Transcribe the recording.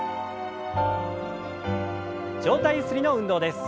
上体ゆすりの運動です。